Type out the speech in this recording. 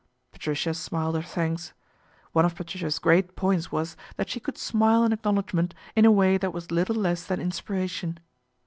Patricia smiled her thanks. One of Patricia's great points was that she could smile an acknow ledgment in a way that was little less than in spiration.